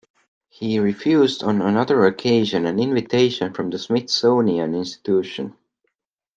He refused on another occasion an invitation from the Smithsonian Institution.